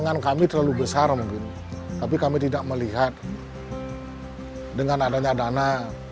pangan kami terlalu besar mungkin tapi kami tidak melihat dengan adanya dana